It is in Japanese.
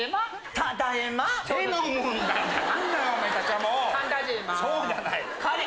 「ただいまー」